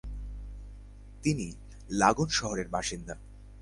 তিনি "লাগোন" শহরের বাসিন্দা।